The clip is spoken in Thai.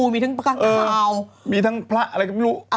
มีทั้งพระอะไรก็ไม่รู้